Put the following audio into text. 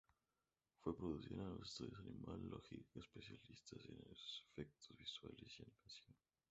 Fue producida en los estudios Animal Logic, especialistas en efectos visuales y animación.